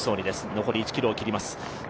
残り１ｋｍを切ります。